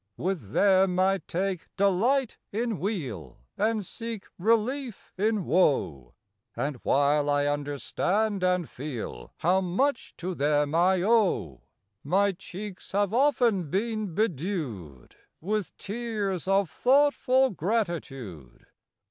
With them I take delight in weal And seek relief in woe; And while I understand and feel How much to them I owe, My cheeks have often been bedew'd With tears of thoughtful gratitude.